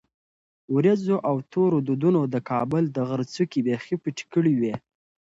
ورېځو او تورو دودونو د کابل د غره څوکې بیخي پټې کړې وې.